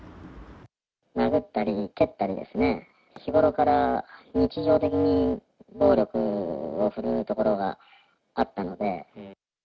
殴ったり蹴ったりですね、日頃から日常的に暴力を振るうところがあったので。